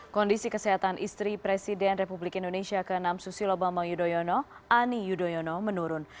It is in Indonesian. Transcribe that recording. kondisi kesehatan istri presiden republik indonesia ke enam susilo bambang yudhoyono ani yudhoyono menurun